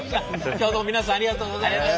今日はどうも皆さんありがとうございました。